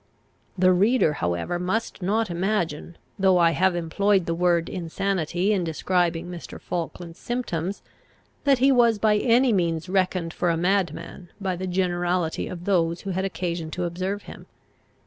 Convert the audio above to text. The reader however must not imagine, though I have employed the word insanity in describing Mr. Falkland's symptoms, that he was by any means reckoned for a madman by the generality of those who had occasion to observe him.